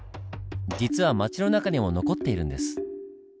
実は町の中にも残っているんです。